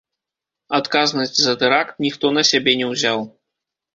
Адказнасць за тэракт ніхто на сябе не ўзяў.